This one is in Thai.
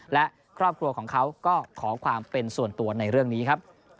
และครอบครัวของเขาก็ขอความเป็นส่วนตัวในเรื่องนี้ครับ